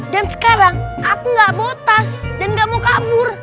dan sekarang aku nggak bawa tas dan nggak mau kabur